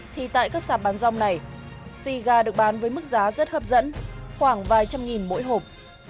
thì tại các sạp bán rong này xì gà được bán với mức giá rất hấp dẫn khoảng vài trăm nghìn mỗi hộp